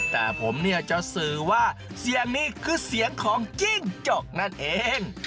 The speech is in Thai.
แต่ผมเนี่ยจะสื่อว่าเสียงนี้คือเสียงของจิ้งจกนั่นเอง